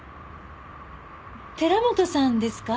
寺本さんですか？